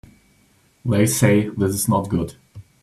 They say this is not good.